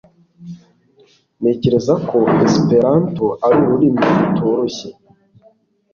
Ntekereza ko Esperanto ari ururimi rutoroshye.